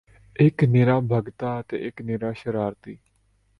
ਇਕ ਨਿਰਾ ਭਗਤ ਤੇ ਇਕ ਨਿਰਾ ਸ਼ਰਾਰਤੀ